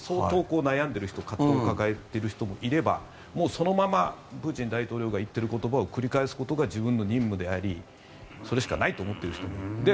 相当悩んでいる人葛藤を抱えている人もいればもうそのままプーチン大統領が言っている言葉を繰り返すことが自分の任務でありそれしかないと思っている人も。